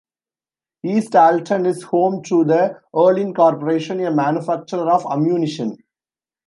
East Alton is home to the Olin Corporation, a manufacturer of ammunition.